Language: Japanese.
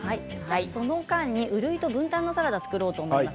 その間にうるいとぶんたんのサラダを作ろうと思います。